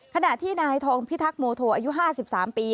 ขณะที่นายทองพิทักษ์โมโทอายุ๕๓ปี